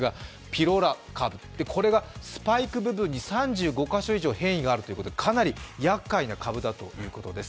ピロラ株、これがスパイク部分に３５か所以上変異があるということでかなりやっかいな株だということです。